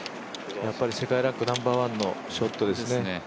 やっぱり世界ランクナンバーワンのショットですね。